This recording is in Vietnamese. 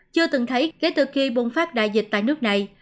chưa từng thấy kể từ khi bùng phát đại dịch tại nước này